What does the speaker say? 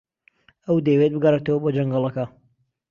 ئەو دەیەوێت بگەڕێتەوە بۆ جەنگەڵەکە.